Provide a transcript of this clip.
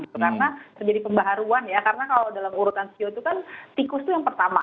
karena terjadi pembaharuan ya karena kalau dalam urutan ceo itu kan tikus itu yang pertama